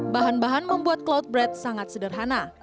bahan bahan membuat cloud bread sangat sederhana